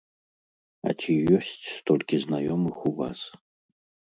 А ці ёсць столькі знаёмых у вас?!